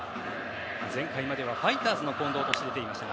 前回まではファイターズの近藤として出ていました。